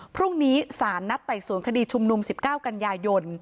พรุ่งนี้สารนัดไต่สวนคดีชุมนุม๑๙กันยายน